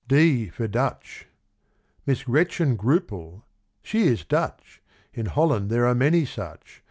D for Dutch. Miss Gretchen Groople! She is Dutch: In Holland there are many such.